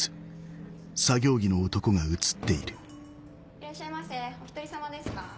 いらっしゃいませお１人さまですか？